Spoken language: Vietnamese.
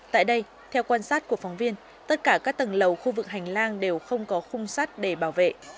tại đây theo quan sát của phóng viên tất cả các tầng lầu khu vực hành lang đều không có khung sắt để bảo vệ